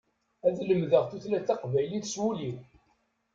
Ad lemdeɣ tutlayt taqbaylit s wul-iw.